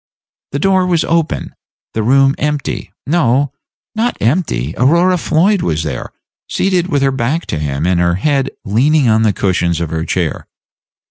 The door was open; the room empty no, not empty: Aurora Floyd was there, seated with her back toward him, and her head leaning on the cushions of her chair.